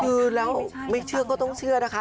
คือแล้วไม่เชื่อก็ต้องเชื่อนะคะ